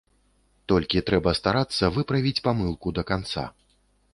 Толькі трэба старацца выправіць памылку да канца.